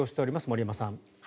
森山さん。